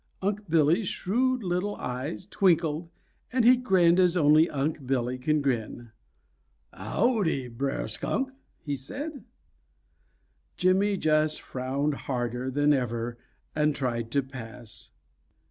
Unc' Billy's shrewd little eyes twinkled, and he grinned as only Unc' Billy can grin. "Howdy, Brer Skunk," said he. Jimmy just frowned harder than ever and tried to pass.